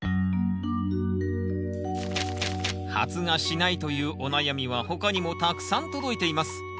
発芽しないというお悩みは他にもたくさん届いています。